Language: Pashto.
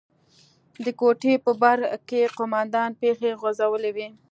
د کوټې په بر سر کښې قومندان پښې غځولې وې.